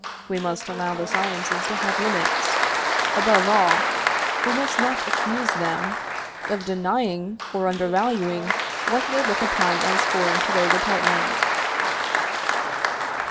We must allow the sciences to have limits; above all, we must not accuse them of denying or undervaluing what they look upon as foreign to their department.